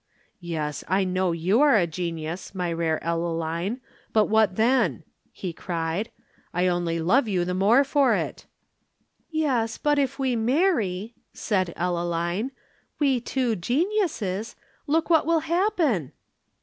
"Yes, I know you are a genius, my rare Ellaline. But what then?" he cried. "I only love you the more for it." "Yes, but if we marry," said Ellaline, "we two geniuses, look what will happen."